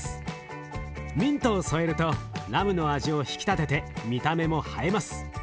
ミントを添えるとラムの味を引き立てて見た目も映えます。